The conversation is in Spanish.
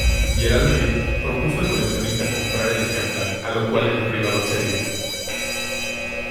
Gerald Mayr propuso al coleccionista comprar el ejemplar, a lo cual el privado accedió.